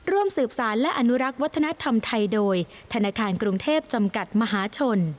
ร่วมสืบสารและอนุรักษ์วัฒนธรรมไทยโดยธนาคารกรุงเทพจำกัดมหาชน